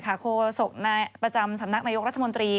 โคศกประจำสำนักนายกรัฐมนตรี